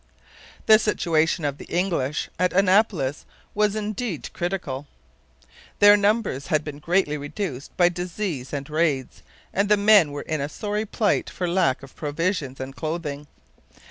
The situation of the English at Annapolis was indeed critical. Their numbers had been greatly reduced by disease and raids and the men were in a sorry plight for lack of provisions and clothing.